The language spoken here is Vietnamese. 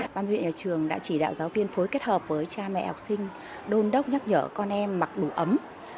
ban huyện nhà trường đã chỉ đạo giáo viên phối kết hợp với cha mẹ học sinh đôn đốc nhắc nhở con em mặc đủ ấm